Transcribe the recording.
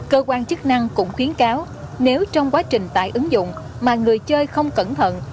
cơ quan chức năng cũng khuyến cáo nếu trong quá trình tải ứng dụng mà người chơi không cẩn thận